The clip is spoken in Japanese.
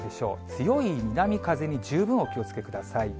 強い南風に十分お気をつけください。